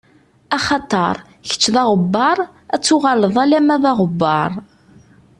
Axaṭer, kečč d aɣebbaṛ, ad tuɣaleḍ alamma d aɣebbaṛ.